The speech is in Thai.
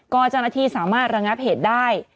ก็เจ้าหน้าที่สามารถระงับเหตุได้